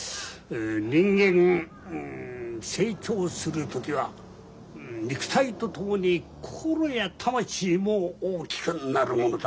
人間成長する時は肉体と共に心や魂も大きくなるものだ。